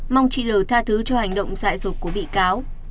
mong chị l tha thứ cho hành động dại dột của bị cáo